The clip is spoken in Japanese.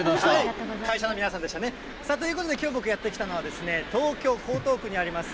会社の皆さんでしたね。ということで、きょう僕やって来たのは、東京・江東区にあります